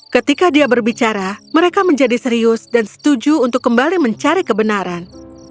ketika dia berbicara mereka menjadi serius dan setuju untuk kembali mencari kebenaran